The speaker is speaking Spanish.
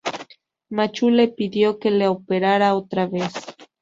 Machu le pidió que le operara otra vez.